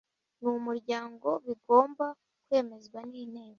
mu muryango bigomba kwemezwa n inteko